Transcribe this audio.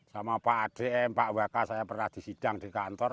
sama pak adm pak waka saya pernah disidang di kantor